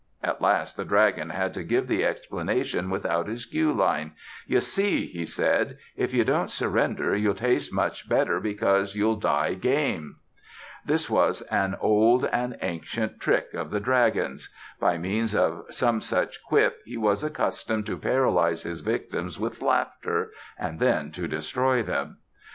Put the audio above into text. At last the dragon had to give the explanation without his cue line. "You see," he said, "if you don't surrender you'll taste better because you'll die game." This was an old and ancient trick of the dragon's. By means of some such quip he was accustomed to paralyze his victims with laughter and then to destroy them.